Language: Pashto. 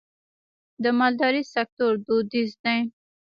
د مالدارۍ سکتور دودیز دی